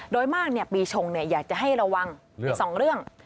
โดยมากปีชงอยากจะให้ระวังอีก๒เรื่อง